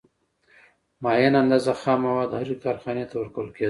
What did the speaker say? معینه اندازه خام مواد هرې کارخانې ته ورکول کېدل